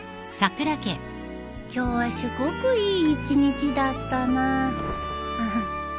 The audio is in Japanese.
今日はすごくいい一日だったなあ